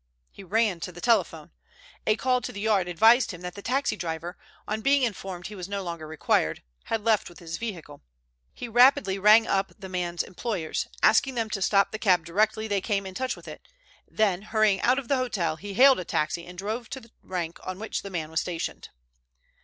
He ran to the telephone. A call to the Yard advised him that the taxi driver, on being informed he was no longer required, had left with his vehicle. He rapidly rang up the man's employers, asking them to stop the cab directly they came in touch with it, then hurrying out of the hotel, he hailed a taxi and drove to the rank on which the man was stationed.